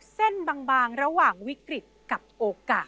เส้นบางระหว่างวิกฤตกับโอกาส